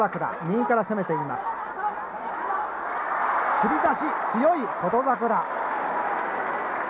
つり出し、強い、琴櫻。